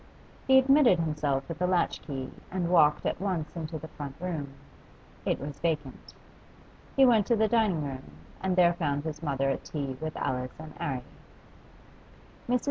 He admitted himself with a latch key and walked at once into the front room; it was vacant. He went to the dining room and there found his mother at tea with Alice and 'Arry. Mrs.